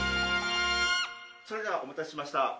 ・それではお待たせしました。